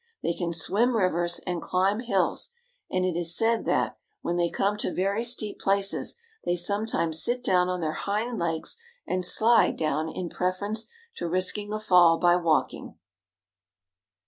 They can swim rivers and climb hills ; and it is said, that, when they come to very steep places, they sometimes sit down on their hind legs and slide down in preference to risking a fall by walking.